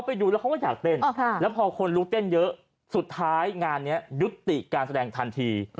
ผมไม่เข้าใจครับผมมาชวนคอนเสิร์ฟแต่ให้นั่งอยู่กับเก้าอี้